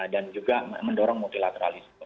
dan juga mendorong multilateralisme